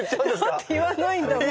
だって言わないんだもん。